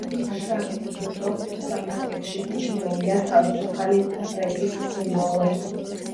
შარლი ებდო საფრანგეთში მიჩნეულია თავისუფალი პრესის სიმბოლოდ.